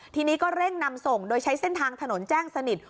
ทีนี้ก็เร่งนำส่งโดยใช้เส้นทางถนนแจ้งสนิท